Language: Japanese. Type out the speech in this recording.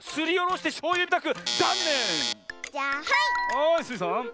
はいスイさん。